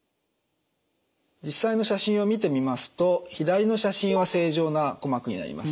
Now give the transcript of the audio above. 実際の写真を見てみますと左の写真は正常な鼓膜になります。